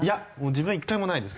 自分は一回もないです。